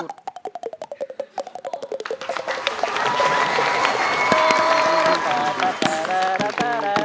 ขอบคุณครับ